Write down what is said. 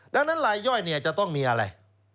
ดังนั้นลายย่อยจะต้องมีอะไร